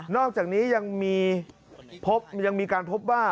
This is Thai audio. นอกจากนี้ยังมีพบยังมีการพบว่า